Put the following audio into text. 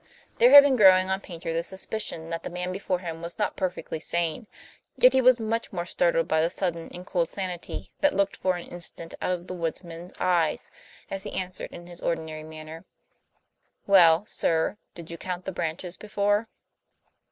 There had been growing on Paynter the suspicion that the man before him was not perfectly sane; yet he was much more startled by the sudden and cold sanity that looked for an instant out of the woodman's eyes, as he answered in his ordinary manner. "Well, sir, did you count the branches before?"